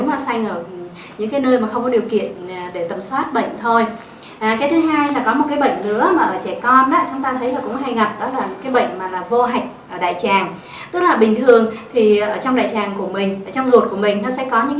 và đại tràng tức là bình thường thì ở trong đại tràng của mình trong ruột của mình nó sẽ có những